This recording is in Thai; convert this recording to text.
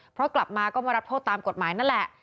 เพราะกลับมาก็มารับโทษตามกฎหมายนั่นแหละ